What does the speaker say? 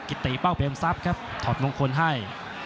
กิตตีเป้าเบมซัพครับถอดมงคลให้